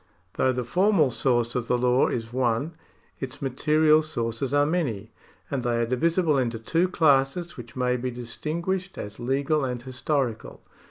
Though the formal source of the law is one, its material sources are many, and they are divisible into two classes A\'hich may be distinguished as legal and historical.